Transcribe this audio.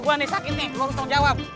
lu harus tanggung jawab